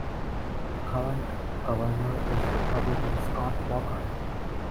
The current governor is Republican Scott Walker.